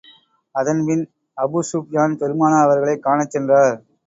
அதன் பின், Abu Sufyan பெருமானார் அவர்களைக் காணச் சென்றார்.